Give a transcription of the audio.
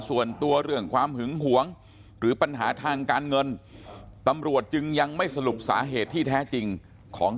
ส่วนตัวเรื่องความหึงหวงหรือปัญหาทางการเงินตำรวจจึงยังไม่สรุปสาเหตุที่แท้จริงของ